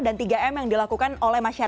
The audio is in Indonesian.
dan tiga m yang dilakukan orang lain